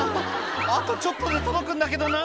「あとちょっとで届くんだけどな」